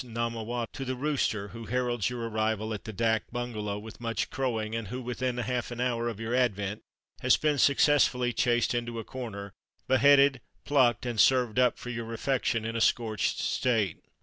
Nomattawot), to the rooster who heralds your arrival at the dak bungalow, with much crowing, and who within half an hour of your advent has been successively chased into a corner, beheaded, plucked, and served up for your refection in a scorched state.